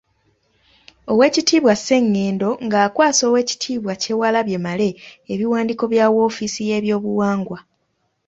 Oweekitiibwa Ssengendo ng'akwasa oweekitiibwa Kyewalabye Male ebiwandiiko bya woofiisi y'ebyobuwangwa.